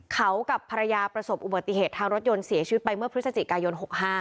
เขากับภรรยาประสบอุบัติเหตุทางรถยนต์เสียชีวิตไปเมื่อพฤศจิกายน๖๕